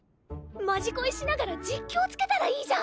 「まじこい」しながら実況付けたらいいじゃん。